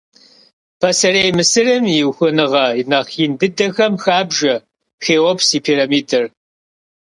Пасэрей Мысырым и ухуэныгъэ нэхъ ин дыдэхэм хабжэ Хеопс и пирамидэр.